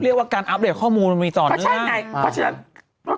เรียกว่าการอัพเดทข้อมูลมีต่อนนะ